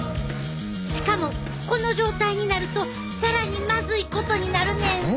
しかもこの状態になると更にまずいことになるねん！